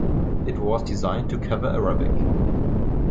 It was designed to cover Arabic.